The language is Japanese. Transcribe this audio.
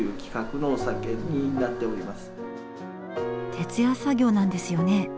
徹夜作業なんですよね。